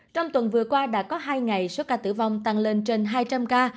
trong tuần vừa qua đã có hai ngày số ca tử vong tăng lên trên hai trăm linh ca